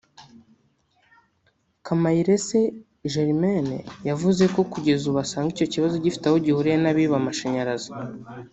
Kamayirese Germaine yavuze ko kugeza ubu usanga icyo kibazo gifite aho gihuriye n’abiba amashanyarazi